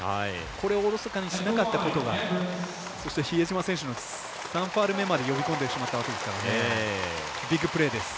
これをおろそかにしなかったことがそして、比江島選手の３ファウル目まで呼び込んでしまったわけですからビッグプレーです。